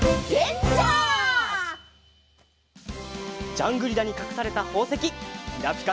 ジャングリラにかくされたほうせききらぴか